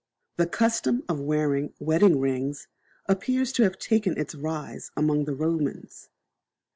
The custom of wearing wedding rings appears to have taken its rise among the Romans.